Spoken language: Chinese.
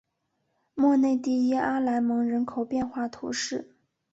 莫内蒂耶阿莱蒙人口变化图示